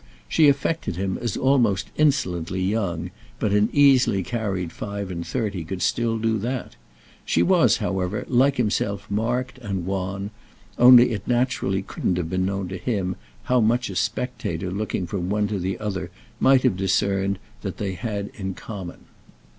She affected him as almost insolently young; but an easily carried five and thirty could still do that. She was, however, like himself marked and wan; only it naturally couldn't have been known to him how much a spectator looking from one to the other might have discerned that they had in common.